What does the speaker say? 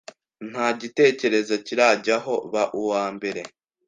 Nta gitekerezo kirajyaho Ba uwa mbere